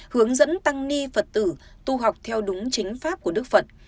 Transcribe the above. hướng dẫn tăng ni phật tử tu học theo đúng chính pháp của đức phật